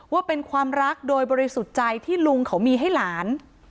ว่าเป็นความรักโดยบริสุทธิ์ใจที่ลุงเขามีให้หลาน